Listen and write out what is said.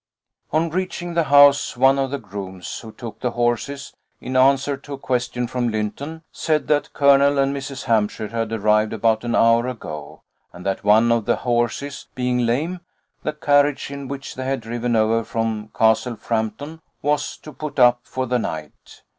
On reaching the house, one of the grooms who took the horses, in answer to a question from Lynton, said that Colonel and Mrs. Hampshire had arrived about an hour ago, and that, one of the horses being lame, the carriage in which they had driven over from Castle Frampton was to put up for the night.